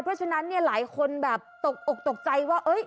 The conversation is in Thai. เพราะฉะนั้นหลายคนตกใจว่า